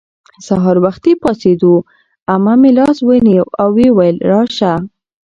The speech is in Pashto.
سهار وختي پاڅېدو. عمه مې لاس ونیو او ویې ویل:راشه